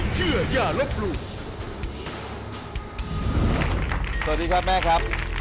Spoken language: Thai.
สวัสดีครับแม่ครับ